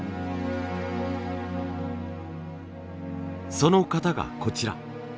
その型がこちら。